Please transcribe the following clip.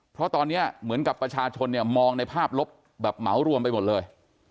เพราะตอนนี้เหมือนกับประชาชนเนี่ยมองในภาพลบแบบเหมารวมไปหมดเลย